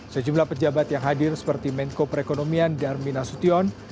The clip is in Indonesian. sejumlah pejabat yang hadir seperti menko perekonomian darminasution